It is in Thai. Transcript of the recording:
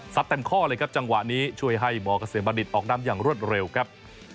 เต็มข้อเลยครับจังหวะนี้ช่วยให้มเกษมบัณฑิตออกนำอย่างรวดเร็วครับ